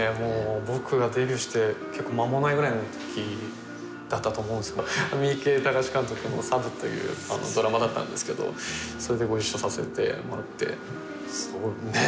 僕がデビューして結構間もないぐらいのときだったと思うんですけど三池崇史監督の「ＳＡＢＵさぶ」というドラマだったんですけどそれでご一緒させてもらってねえ？